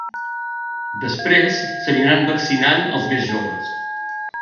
Després, s’aniran vaccinant els més joves.